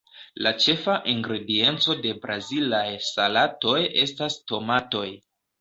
La ĉefa ingredienco de brazilaj salatoj estas tomatoj.